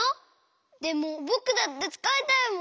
でもぼくだってつかいたいもん。